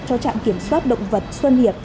cho trạm kiểm soát động vật xuân hiệp